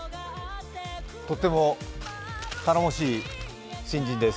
とっても頼もしい新人です。